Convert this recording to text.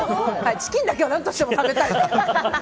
チキンだけは何としても食べたいから。